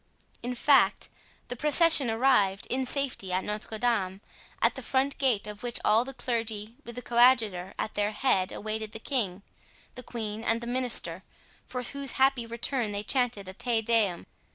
In fact, the procession arrived, in safety at Notre Dame, at the front gate of which all the clergy, with the coadjutor at their head, awaited the king, the queen and the minister, for whose happy return they chanted a Te Deum.